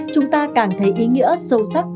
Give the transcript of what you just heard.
chúng ta càng thấy ý nghĩa sâu sắc